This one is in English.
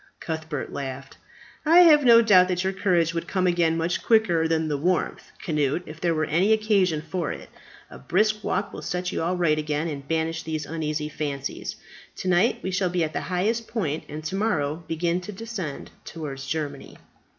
Cuthbert laughed. "I have no doubt that your courage would come again much quicker than the warmth, Cnut, if there were any occasion for it. A brisk walk will set you all right again, and banish these uneasy fancies. To night we shall be at the highest point, and to morrow begin to descend towards Germany."